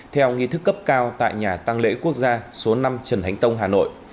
theo nghi thức cấp cao tại nhà tăng lễ quốc gia số năm trần hành tông hà nội